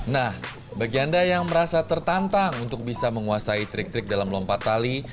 nah bagi anda yang merasa tertantang untuk bisa menguasai trik trik dalam lompat tali